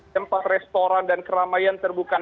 tempat restoran dan keramaian terbuka